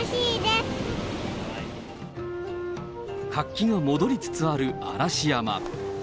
活気が戻りつつある嵐山。